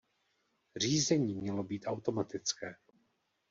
Řízení mělo být automatické.